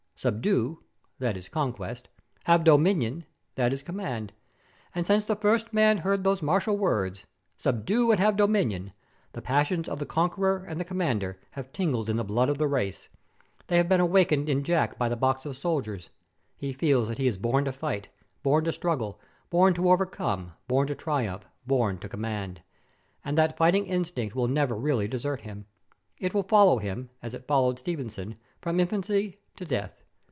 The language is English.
'Subdue!' that is Conquest; 'have dominion!' that is Command. And since the first man heard those martial words, 'Subdue and have dominion!' the passions of the conqueror and the commander have tingled in the blood of the race. They have been awakened in Jack by the box of soldiers. He feels that he is born to fight, born to struggle, born to overcome, born to triumph, born to command. And that fighting instinct will never really desert him. It will follow him, as it followed Stevenson, from infancy to death.